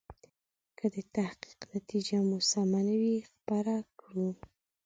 که د تحقیق نتیجه مو سمه نه وي خپره کړو.